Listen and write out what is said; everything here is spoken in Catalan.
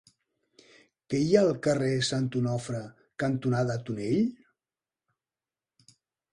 Què hi ha al carrer Sant Onofre cantonada Tonell?